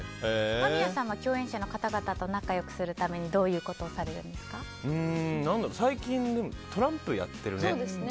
間宮さんは共演者の方々と仲良くするために最近、トランプをやってるね。